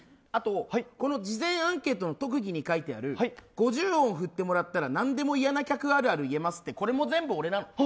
あと、事前アンケートの特技に書いてある五十音振ってもらったら何でも嫌な客あるある言えますってこれも全部、俺なの？